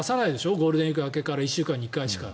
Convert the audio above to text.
ゴールデンウィーク明けから１週間に１回しか。